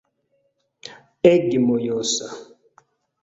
Ege mojosa